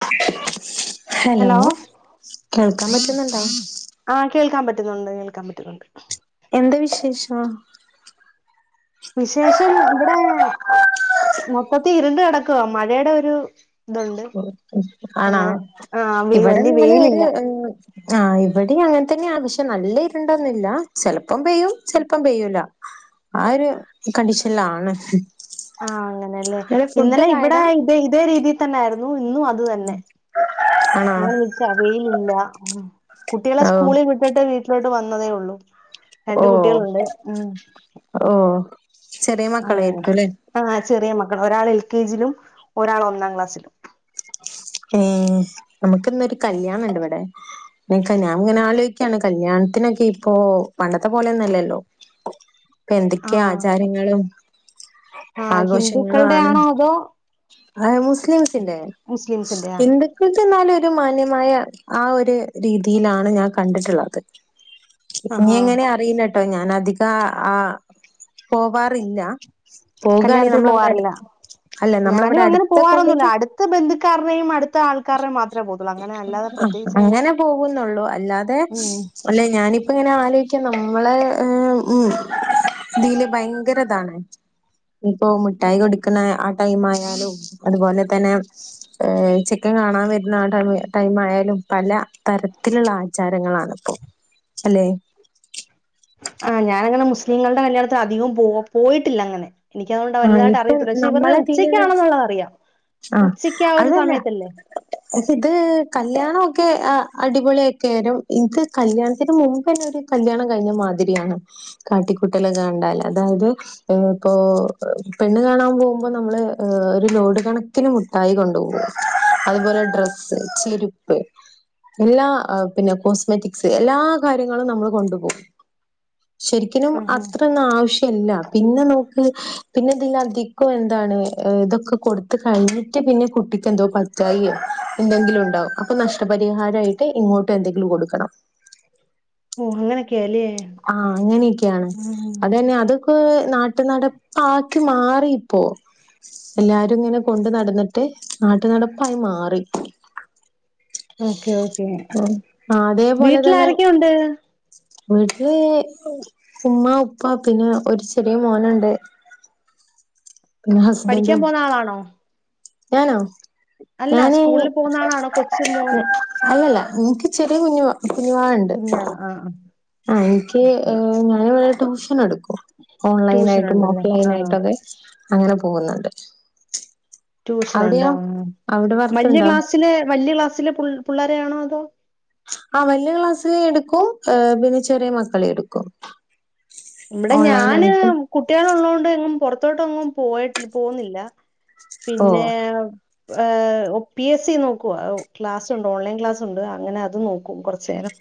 ആ [unintelligible] ഹലോ കേൾക്കാൻ പറ്റുന്നുണ്ടോ ആ കേൾക്കാൻ പറ്റുന്നുണ്ട് കേൾക്കാൻ പറ്റുന്നുണ്ട് എന്താ വിശേഷം വിശേഷം ഇവിടെ മൊത്തത്തി ഇരുണ്ട് നടക്കാ മഴയുടെ ഒരു ഇതുണ്ട് ആണോ അങ്ങനെ ആ ഇവിടെ വലിയ ന്നാലും ഒരു വെയിലില്ല ആ ഇവിടെ അങ്ങനെ തന്നെ അത്യാവശ്യം നല്ല ഇരുണ്ടോന്നൂല്യ ചിലപ് ഇപ്പം പെയ്യും ചിലപ്പം പെയ്യൂല ആ ഒരു കണ്ടീഷനിലാണ് ആ അങ്ങനെയല്ലേ ഇങ്ങള് ഇന്നലെ ഫുഡൊക്കെ ഇവിടെ ആയടാ ഇതേ ഇതേ രീതിയിൽ തന്നായായിരുന്നു ഓ ഇന്നും അത് തന്നെ ആണോ ഓ ഇല്ല വെയിലില്ല കുട്ടികളെ ഓ സ്കൂളിൽ വിട്ടിട്ട് വീട്ടിലോട്ട് ഇപ്പ വന്നതേ ഉള്ളൂ ഓ രണ്ട് കുട്ടികളുണ്ട് ഉം ഓ ചെറിയ അങ്ങനെ മക്കളായിരിക്കുല്ലേ ആ ചെറിയ മക്കൾ ഒരാൾ എൽ കെ ജിയിലും ഒരാൾ ഒന്നാം ക്ലാസ്സിലും ഉം നമുക്ക് ഇന്നൊരു കല്യാണം ഇണ്ട് ഇവിടെ പിന്നെ ഞാനിങ്ങനെ ആലോയിക്കയാണ് കല്യാണത്തിനൊക്കെ ഇപ്പൊ പണ്ടത്തെ പോലെയൊന്നല്ലല്ലോ ഇപ്പ ആ എന്തൊക്കെയാ ആചാരങ്ങളും ആ ഹിന്ദുക്കളുടെ ആഘോഷങ്ങളുമാണ് ആണോ അതോ മുസ്ലിംസ് ഹിന്ദുക്കളുടെ ന്നാലും ഒരു മാന്യമായ ആ ഒരു രീതിയിലാണ് ഞാൻ കണ്ടിട്ടുള്ളത് ഇനി ആഹാ എങ്ങനെ അറിയില്ല കേട്ടോ ഞാൻ അധികം ആ പോവാറില്ല പോകാണെങ്കിൽ കല്യാണത്തിന് നമ്മളിവിടെ പോവാറില്ല അടുത്ത് അല്ല ഞാനും നമ്മളിവിടെ അങ്ങനെ അടുത്തൊക്കെ പോവാറൊന്നുല്ല ഉണ്ടെങ്കിൽ അടുത്ത ബന്ധുക്കാര [inaudible] അല്ലാതെ ആ പ്രത്യേകിച്ച് അങ്ങനെ പോകുന്നുള്ളൂ അല്ലാതെ ഉം അല്ലെ ഞാനിപ്പ ഇങ്ങനെ ആലോചിക്കാ നമ്മെള് ഉം ഇതിൽ ഭയങ്കരതാണ് ഇപ്പൊ മുഠായി കൊടുക്കുന്ന ആ ടൈം ആയാലും അതുപോലെ തന്നെ- ഏ ചെക്കൻ കാണാൻ വരുന്ന ആ ടൈം ആയാലും പല തരത്തിലുള്ള ആചാരങ്ങളാണ്- അപ്പോ അല്ലെ? ആ ഞാാനങ്ങനെ മുസ്ലിങ്ങളുടെ കല്ല്യാണത്തിനു അധികം പോ പോയിട്ടില്ല അങ്ങനെ എനിക്കതുകൊണ്ട് ആ വലുതായിട്ട് ഇപ്പൊ അറിയത്തില്ല പക്ഷെ ഇവരുടെ നമ്മളെ തീയ വച്ച് ഉച്ചയ്ക്കാണെന്നുള്ളത് അറിയാം ആ ഉച്ചയ്ക്ക് ആ ഒരു അതല്ല സമയത്തല്ലേ ഇത് കല്യാണ അടിപൊളിയൊക്കെരം ഇത് കല്യാണത്തിന് മുമ്പ് തന്നെ ഒരു കല്യാണം കഴിഞ്ഞ മാതിരിയാണ് കാട്ടിക്കൂട്ടലൊ കണ്ടാൽ അതായത് ഇപ്പോ- പെണ്ണ് കാണാൻ പോകുമ്പോ നമ്മള് ഒരു ലോഡ് കണക്കിന് മുട്ടായി കൊണ്ടുപോകും അതുപോലെ ഡ്രസ്സ് ചെരുപ്പ് എല്ലാ പിന്നെ കോസ്മെറ്റിക്സ് എല്ലാ കാര്യങ്ങളും നമ്മൾ കൊണ്ടുപോകും- ശരിക്കിനും ആഹാ അത്രന്ന് ആവശ്യ ഇല്ല പിന്നെ നമ്മുക്ക് - പിന്നെ ഇതിലധികം എന്താണ് ഇതൊക്കെ കൊടുത്ത കഴിഞ്ഞിട്ട് പിന്നെ കുട്ടിക്ക് എന്തോ പറ്റായിയോ എന്തെങ്കിലും ഉണ്ടാവും അപ്പൊ നഷ്ടപരിഹാരമായിട്ട് ഇങ്ങോട്ട് എന്തെങ്കിലും കൊടുക്കണം- ഓ അങ്ങനെക്ക ആ അങ്ങനെയൊക്കെയാണ് ഉം അതന്നെ അതൊക്കെ നാട്ടു നടപ്പാക്കി മാറി ഇപ്പോ എല്ലാരും ഇങ്ങനെ കൊണ്ടു നടന്നിട്ട് നാട്ടു നടപ്പങ്ങ് മാറി- ഓക്കെ ഓ ആഹ് അതേപോലെ വീട്ടിൽ തന്നെ ആരൊക്കെ ഉണ്ട്? വീട്ടില് ഉമ്മ ഉപ്പ പിന്നെ ഒരു ചെറിയ മോനുണ്ട് പിന്നെ പഠിക്കാൻ ഹസ്ബൻഡും പോന്ന ആളാണോ? ഞാനോ? അല്ല ഞാനീ സ്കൂളിൽ പോകുന്ന ആളാണോ കൊച്ചു മോൻ അല്ലല്ല എനിക്ക് ചെറിയ കുഞ്ഞുവ കുഞ്ഞാണോ ആ ആ എനിക്ക് ഓക്കെ [unintelligible] ട്യൂഷൻ എടുക്കും- ഓൺ ട്യൂഷൻ ഓൺലൈനായിട്ടും ഓഫ്‌ ഉണ്ടല്ലേ ആ ആ ലൈനായിട്ടൊക്കെ- അങ്ങനെ പോകുന്നുണ്ട് ട്യൂഷനൊണ്ട് അവിടെയോ ആ അവിടെ വല്യ വർക്കുണ്ടോ ക്ലാസ്സില് വല്യ ക്ലാസ്സില് പുൾ പുള്ളേരെ ആണോ അതോ- ആ വല്ല്യ ക്ലാസ് എടുക്കും ഏഹ് പിന്നെ ചെറിയ മക്കളെ എടുക്കും ഇവിടെ ഓൺലൈൻ ഞാന് ആയിട്ട് കുട്ടികളുള്ളൊണ്ട് എങ്ങും പുറ ത്തോട്ടൊങ്ങും പോയിട്ടില്ല പോകുന്നില്ല ഓ പിന്നെ ഏഹ് ഒ പി എസ് സി നോക്കുവാ ഒ ക്ലാസ്സുണ്ട് ഓൺലൈൻ ക്ലാസ്സുണ്ട് അങ്ങനെ അതും നോക്കും കൊറച്ചു നേരം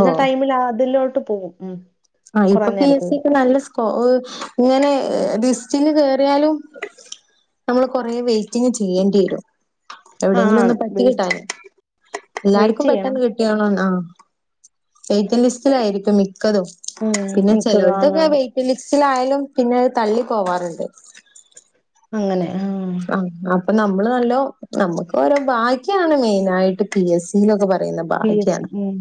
ഓ ടൈമിലാതിലോ ട്ട് പോവും ഉം ആ കുറേ ഇപ്പൊ പി എസ് നേരത്തേക്ക് സിക്ക് നല്ല സ്കോ ഓഹ് ഇങ്ങനെ ബിസ് ച്ചങ്ങ് കേറിയാലും നമ്മള് കൊറേ വെറ്റിങ് ചെയ്യേണ്ടി വരും ആഹ് എവിടെയെങ്കിലും ആണ് ഒന്ന് പറ്റി വെയിറ്റ് കിട്ടാൻ വെയിറ്റ് എല്ലാർക്കും ചെയ്യണം പെട്ടെന്ന് കിട്ടിയാണൊന്ന ആഹ് വെയ്റ്റിംഗ് ലിസ്റ്റിലായിരിക്കും മിക്കതും ഉം പിന്നെ മിക്കതാന്ന് ചെലവർക്കൊക്കെ വെയ്റ്റിംഗ് ലിസ് റ്റിലായാലും പിന്നെ തള്ളി പോവാറുണ്ട് അങ്ങനെ ആഹ് ആഹ് അപ്പൊ നമ്മള് നല്ലോ നമുക്ക് ഓരോ ഭാഗ്യാണ് മെയിനായിട്ട് പി എസ് സിന്നൊക്കെ പ പി എസ് സി ഉം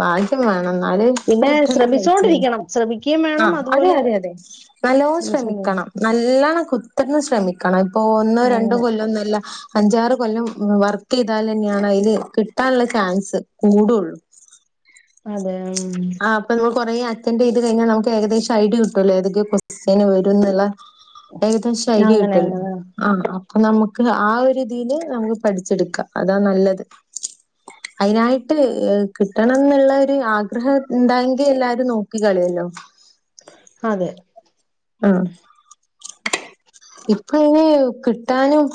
ഭാഗ്യം വേ ണം എന്നാല് പിന്നെ പെട്ടെന്ന് കഴിച്ചിലാ ശ്രമിച്ചോണ്ടിരിക്കണം ശ്രമിക്കുകയും ആ വേണം അതെ അതുപോലെ അതെയതെ നല്ലോണം ശ്രമിച്ചോണ്ടിരിക്കണം ശ്രമിക്കണം നല്ലോണം കുത്തനെ ശ്രമി ക്കണം പോകുന്നത് രണ്ടു കൊല്ലൊന്നുമല്ല അഞ്ചാറ് കൊല്ലം വർക്ക് ചെയ്താലന്നെയാണ് അതില് കിട്ടാനുള്ള ചാൻസ് കൂടുള്ളു അതെ ഉം ആ അപ്പൊ ന കുറേ അറ്റൻഡ് ചെയ്ത് കഴിഞ്ഞാൽ നമുക്ക് ഏകദേശം ഐഡിയ കിട്ടുവല്ലോ ഏതൊക്കെയാ കൊസ്റ്റ്യന് വരൂന്നുള്ള ഏകദേശ ഐഡിയ അങ്ങനെ കിട്ടുമല്ലോ ആ ആ അപ്പ നമ്മക്ക് ആ ഒരു ഇതില് നമുക്ക് പഠിച്ചെടുക്കാം അതാ നല്ലത് അതിനായിട്ട് ഏഹ് കിട്ടണംന്നുള്ള ഒരു ആ ഗൃഹ ഇണ്ടാങ്കിൽ എല്ലാരും നോക്കി കളയല്ലോ അതെ ആഹ് ഇപ്പള് കിട്ടാനും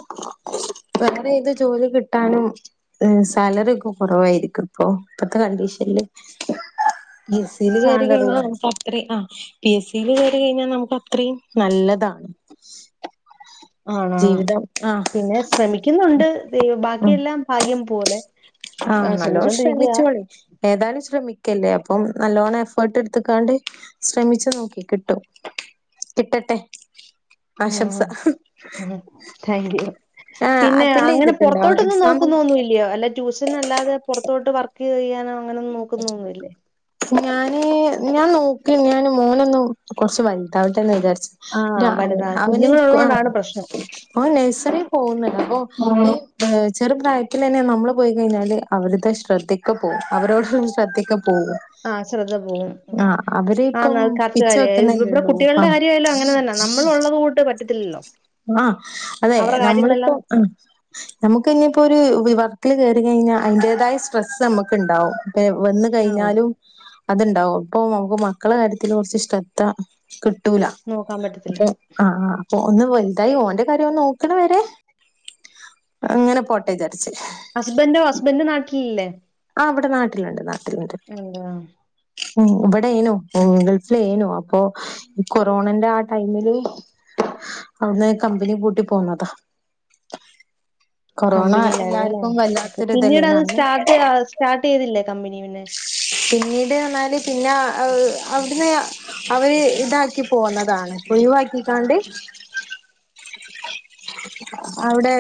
വേറെ ഏത് ജോലി കി ട്ടാനും ഏഹ് സാലറി ഒക്കെ കൊറവായിരിക്കും ഇപ്പൊ ഇപ്പത്തെ കണ്ടീഷനില് ബസ്സിന് കേറി സാലറി കഴിഞ്ഞ നമുക്ക് അത്രയും ആ പി എസ് സിയിൽ കേറി കഴിഞ്ഞാ നമു ക്കത്രയും നല്ലതാണ് ആണാണ് ജീവിതം ആ പിന്നെ ശ്രമിക്കുന്നുണ്ട് ദൈ ഉം ബാക്കിയെല്ലാം ഭാഗ്യം പോ പോലെ ആ നല്ലോണം ശ്രമിച്ചോണ്ടിരിക്കുക ശ്രമിച്ചോളി ഏതായാലും ശ്രമി ക്കല്ലേ അപ്പം നല്ലോണ്ണം എഫേർട്ട് എട്ത്തക്കാണ്ട് ശ്രമിച്ചു നോക്കി കിട്ടും കിട്ടട്ടെ ആശംസ ആ പിന്നെ അറ്റൻഡ് അങ്ങനെ ചെയ്തിട്ടുണ്ടോ പുറത്തോട്ടൊന്നും എക്സാം നോക്കുന്നോന്നും ഇല്ല്യോ വല്ല ട്യൂ ഷനല്ലാതെ പുറത്തോട്ട് വർക്ക് ചെയ്യാനോ അങ്ങനൊന്നും നോക്കുന്നൊന്നില്ലേ ഞാന് ഞാൻ നോക്ക്ണ്ട് ഞാൻ മോനൊന്ന് കൊറച്ച് വല്താവട്ടെന്ന് വിചാരി ന്റ ആഹ് വലുതാ അവന് ആ കുഞ്ഞുങ്ങളുള്ളോണ്ടാണ് പ്രശ്നം അവൻ നേഴ്സറി പോവ്ന്ന്ണ്ട് ചെറു പ്രായത്തിതന്നെ നമ്മള് പോയി കഴിഞ്ഞാൽ അവര്ടെ ശ്രദ്ധക്കെ പോവും അവരോട് [unintelligible] ശ്രദ്ധിക്കും പോവും ആഹ് ശ്രദ്ധ പോവും ആ അവരിപ്പം ആന്ന് അത് കറക്റ്റ് പിച്ച കാര്യ ഇവിടെ വെക്കുന്നല്ലേള്ളൂ ആ കുട്ടികളുടെ കാര്യമായാലും അങ്ങനെ തന്നെ നമ്മൾ ഉള്ളത് കൂട്ട് പറ്റത്തില്ലല്ലോ ആ അതെ അവരുടെ നമ്മളിപ്പോ കാര്യങ്ങളെല്ലാം ആ നമുക്ക് ഇനിപ്പോരു വിവ ട്ടില് കയറി കിഞ്ഞ അതിന്റോതായ സ്ട്രെസ് നമ്മ ക്ക്ണ്ടാവും [unintelligible] വന്ന് ആഹ് കഴിഞ്ഞാലും അത്ണ്ടാവും ഇപ്പൊ നമുക്ക് മക്കളെ കാര്യത്തിൽ കൊറച്ച് ശ്രദ്ധ ക് ട്ടൂല നോക്കാൻ പറ്റത്തില്ല അപ്പോ ആ ആ ഒന്ന് വല്തായി ഓന്റെ കാര്യം ഓന് നോക്ക്ണ വരെ അങ്ങനെ പോട്ടെച ഹസ്ബന്റോ ഹസ്ബന്റ് നാട്ടില് ഇല്ലേ ആ ഇവിടെ നാട്ടില്ണ്ട് നാ ആ ഉം ഇമ്പ ടെനു ഗൾഫിലേനു അപ്പോ ഈ കൊറോണന്റെ ആ ടൈമില് അവിടുന്ന് കമ്പനി പൂട്ടി പോന്നതാ കൊറോണ കമ്പനിയിലായിരുന്നുല്ലേ. എല്ലാർക്കും ഓകെ വല്ലാത്തൊരു പിന്നീട് ഇതല്ലേനു. അത് അന്ന് സ്റ്റാർട്ട്ആഹ് സ്റ്റാർട്ട് യ്യ്തില്ലേ? കമ്പനിം മന്ന് വിടെ ന്നാല് പിന്നെ അവിടുന്ന് അവര് ഇതാക്കി പോന്നതാണ് ഒഴിവാക്കിക്കാണ്ട് അവിടെ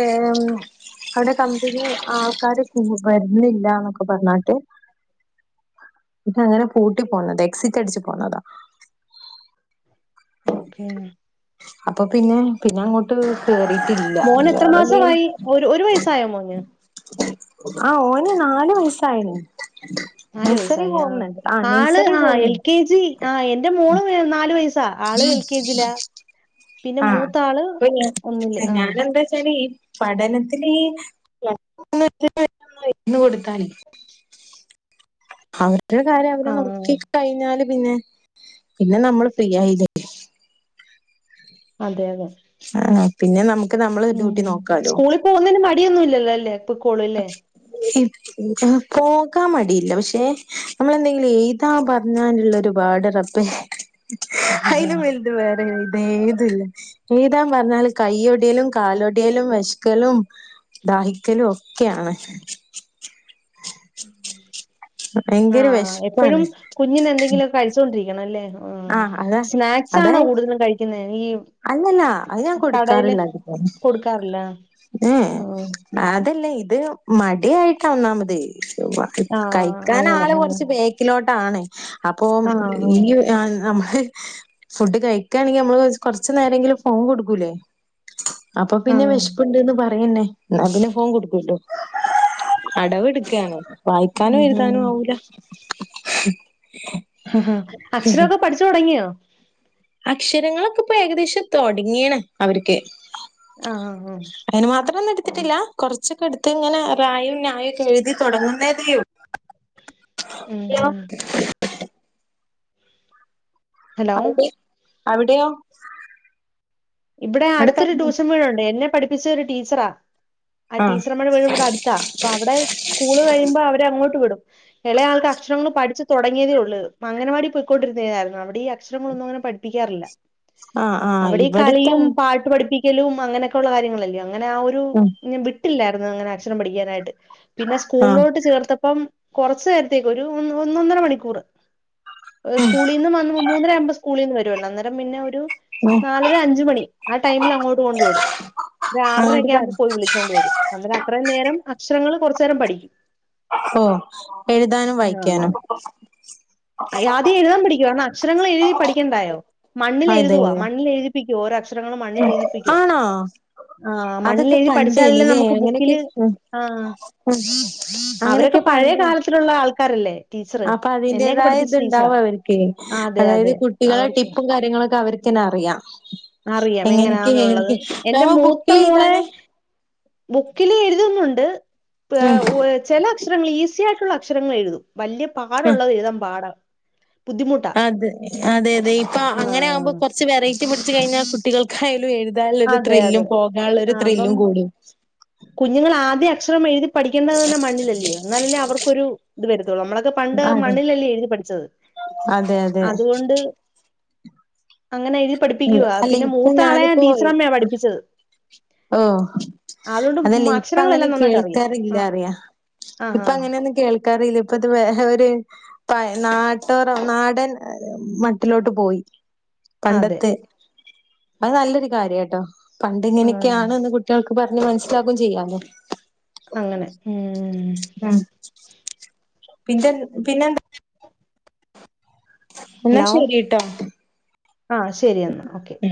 അവിടെ കമ്പനി ആൾക്കാര് വരുന്നില്ലന്നൊക്കെ പറഞ്ഞാണ്ട് അങ്ങനെ പൂട്ടി പോന്നത് എക്സിറ്റ് അടിച്ചു പോന്നതാ ഓക്കേ അപ്പൊ പിന്നെ പിന്നെ അങ്ങോട്ട് കേറി മോന് എത്ര മാസമായി ഒരു ഒരു വയസായോ മോന് ആഹ ഓന് നാല്‌ വയസായി ണ് നാല് വയസായി ആ ആള് നഴ്സറി ആ എൽ പോകുന്നു കെ ജി ആ എന്റെ മോള് നാല് വയസ് അ ആള് എൽക്കതിലാ ആഹ് പ്പഞ്ഞാ ഞാന എന്താ വെച്ചാല് ഈപഠനത്തി നിഇ [unintelligible] മരുന്ന് കൊടുക്കാല്ല അവര് ന്ത്രകാലം അവരെ ആ നോക്കി കഴിഞ്ഞാലും പിന്നെ പിന്നെ നമ്മൾ ഫ്രീ ആയില്ലേടി അതെ അതെ ആഹ പിന്നെ നമുക്ക് നമ്മളെ ഉ ഡ്യൂട്ടി നോക്കാലോ സ്കൂളിൽ പോകുന്നതിന് മടിയൊന്നുംല്ലല്ലോ ല്ലെ ല്ലേ പ്പ കൊളില്ലേ ന്താ പോകാൻ മടിയില്ല പക്ഷെ നമ്മളെന്തെങ്കിലും എഴുതാ പറഞ്ഞാലുള്ള ഒരുപാട്റബേഹ് അയ്ല വലുത് വേറെനു എയ്ത് എയ്താ പറഞ്ഞാൽ കയ്യൊടേലും കാലൊടേലും വെശക്കലും ദാഹിക്കലും ഒ ക്കെയാണ് [unintelligible] ആഹ എപ്പോഴും വെശ്പ്പാണ് കുഞ്ഞിന എന്തെങ്കിലും കഴിച്ചോണ്ടിരിക്കും നല്ലണ് ഉ ആ അതാ സ്നാക്സ് ആണോ അതായ കൂടുതലും കഴിക്കുന്നെ അല്ലല്ല അത് ഞാൻ കൊടുക്കാറില്ല അതികം കൊടുക്കാറില്ല എഏ ആ അതല്ലേ ഇത് മടി ആയിട്ട ഒന്നാമത് ആഹ് മഹ്കഴിക്കാൻ അങ്ങനെ ആള് ആഹ് കുറച്ച് ബേക്കിലോട്ട് ആണ് അപ്പൊ ആഹ് ആഹ് ഈ യു ഞാനു മ്മ ഫുഡ് കഴിക്കാണെങ്കിമ്മള് കൊ കൊറച്ച് നേരെങ്കിലും ഫോൺ കൊടുക്കൂലേ അപ്പൊ പിന്നെ ആഹ് വെശ്പ്പ്ണ്ട്ന്ന് പ റയ്യെന്നെ ന്നാപ്പിന്നെ ഫോൺ കൊടുക്കല്ലോ അടവ്ട്ക്കാണെ വായിക്കാനു ഉം എഴുതാനു ആവൂല [inaudible] ഹ ഹാ അക്ഷരൊക്കെ പഠിച്ചു തോടങ്ങിയോ അക്ഷരങ്ങളൊക്കെപ്പൊ ഏകദേശം തൊടങ്ങീണ് അവര്ക്ക് ആഹ് ആഹ് ത്രാന്നെട്ത്തിട്ടില്ല കുറച്ചൊക്കെ എട്ത്ത്ങ്ങനെ റായും നായുക്കെ എഴ്തി തോടങ്ങ്ന്നതേ മ് മ് [inaudible] ഹലോ [unintelligible] അവിടെയോ ഇവിടെ അവിടെ അടുത്തൊരു തൊടങ്ങി ടൂഷൻ വീടൊണ്ട് എന്നെ പഠിപ്പി [unintelligible] ഒരു ടീച്ചറാ ആ ആഹ് ടീച്ചറമ്മേടെ വീട് വടെ അട്ത്താ അപ്പൊ അവിടെ സ്കൂള് കഴിയുമ്പോ അവരെ അങ്ങോട്ട് വിടും ഇളയ ആൾക്ക് അക്ഷരങ്ങൾ പഠിച്ച തൊടങ്ങിയതേ ഉള്ള് അങ്ങനവാടി പോയിക്കൊണ്ടിരുന്നതായിരുന്ന് അവിടെ ക്ഷരങ്ങളൊന്നും അങ്ങനെ പഠിപ്പിക്കാറില്ല ആഹ് ആഹ് അവിടെ ഇ ഈ കളിയും പാട്ട് പഠിപ്പിക് ക്കലും അങ്ങനൊക്കെള്ള കാര്യങ്ങള അങ്ങനെ ആ ഒരു ഉം ഞാൻ വിട്ടില്ലർന്നു [unintelligible] അക്ഷരം പഠിക്കാന്ണ്ട് പിന്നെ ആഹ് സ്കൂളിലോട്ട് ചേർത്തപ്പം കൊറച്ച് നേരത്തേക്ക് ഒരു ഒന്ന് ഒന്നൊന്നര മണിക്കൂർ ഹ് സ്കൂളിന്ന് വന്നു മൂന്നരാവുമ്പോ സ്കൂളിന്ന് വരും അന്നേരം പിന്ന ഒരു ആഹ് ണി ആ ടൈമിൽ അങ്ങോട്ട് കൊണ്ട് വിടും ഒരു അങ്ങോട്ട് പറ ആറരയെക്കാവുമ്പോ പോയി വിളിച്ചോണ്ട് വരും അന്നേരം അത്രയും നേരം അക്ഷരങ്ങൾ കൊറച് നേരം പഠിക്കും ഓ എഴുതാനും ആ വായിക്കാനും അങ്ങനെ ആ യാദ്യം എഴുതാൻ പഠിക്കുവ കാരണം അക്ഷരങ്ങൾ എഴുതി പഠിക്കേണ്ടായോ മണ്ണിൽ അതെ എഴുതുവാ അതെ മണ്ണിൽ എഴുതി [unintelligible] ഓരോ അക്ഷ ആണോ ആ മണ്ണിൽ അതൊക്കെ എഴുതി പഠിച്ചാലല്ലേ പണ്ടേനിലെ നമുക്ക് അങ്ങനെയൊക്കെ ബുക്കില് ആഹ് അവരൊക്കെ അങ്ങനൊക്കെ പഴയ പണ്ട് കാലത്തിലുള്ള [unintelligible] അപ്പ എന്നെയൊക്കെ അതിന്റേതായ പഠിപ്പിച്ച ടീച്ചറാ ഇത്ണ്ടാവും അവർക്ക് ആഹ് അതെ അതായത് അതെ കുട്ടികളെ അവർക്ക് ടിപ്പും കാര്യങ്ങളൊക്കെ അവർക്ക് തന്നെ അറിയാം അറിയാം എങ്ങനെയൊക്കെ എങ്ങനാന്നുള്ളത് ഏതൊക്കെ എന്റെ നമ്മ ബുക്കിൽ മൂത്ത മോളെ എഴുതാന് ബുക്കില് എഴുതുന്നുണ്ട് ഉം ഏ ചില അക്ഷരങ്ങൾ ഈസി ആയിട്ടുള്ള അ അക്ഷരങ്ങൾ എഴുതും വലിയ പാടുള്ളത് എഴുതാൻ പാട അതെ അതെ അതെ ഇപ്പൊ അങ്ങനെ ആകുമ്പോ ആഹ് കുറച്ച് വെറൈറ്റി റ്റി പിടിച്ച കഴിഞ്ഞാൽ കുട്ടികൾക്കായാലും എഴു താള്ള ഒരു അതെ അതെ ത്രില്ലും പോകാനുള്ള ഒരു ആഹ് അപ്പം ത്രില്ലും കൂടും കുഞ്ഞുങ്ങൾ ആദ്യം അക്ഷരം എഴുതി പഠിക്കേണ്ടത് തന്നെ മണ്ണിലലിയോ എന്നാലല്ലേ അവർക്കൊരു ഇത് വരുത്തുള്ളൂ നമ്മളൊക്കെ പണ്ട് അതെ മണ്ണിലല്ലേ എഴുതി പഠിച്ചത് അതെ അതെ അതുകൊണ്ട് അങ്ങനെ എ അ അല്ല ഇപ്പൊ ഞാനിപ്പോ പഠിപ്പിച്ചത് ഓ അതുകൊണ്ട് മ അതല്ലേ ഇപ്പ അങ്ങനെ അക്ഷരങ്ങളെല്ലാം നന്നായിട്ട് അറിയാം കേൾക്കാറില്ല ആഹ് അറിയാ ആഹ് ഇപ്പ ആഹ് അങ്ങനെയൊന്നും കേൾക്കാറി ല്ല ഇപ്പൊ അത് വേ ഒരു നാട്ടോറ നാടൻ മട്ടിലോട്ട് പോയി അതെ പണ്ടത്തെ അത് നല്ലൊരു കാര്യ കേട്ടോ പണ്ട് ആഹ് ഇങ്ങനെയൊക്കെയാണ്ന്ന് കുട്ടികക്ക്‌ പറഞ്ഞ് മനസ്സിലാക്കും ചെയ്യാല്ലേ അങ്ങനെ ഉം ആ പിന്നെ പിന്നെന്ത ഹലോ ശരിട്ടോ ആ ശരി എന്നാ ഓക്കെ ഉം